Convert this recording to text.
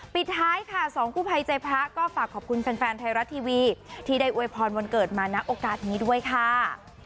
ปิดท้ายค่ะสองกู้ภัยใจพระก็ฝากขอบคุณแฟนไทยรัฐทีวีที่ได้อวยพรวันเกิดมาณโอกาสนี้ด้วยค่ะ